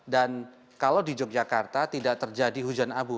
dan kalau di yogyakarta tidak terjadi hujan abu